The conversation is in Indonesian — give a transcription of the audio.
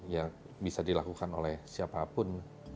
ya bisa dilakukan oleh siapapun